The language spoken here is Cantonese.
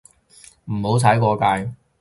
唔好踩過界